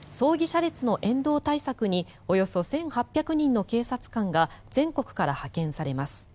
車列の沿道対策におよそ１８００人の警察官が全国から派遣されます。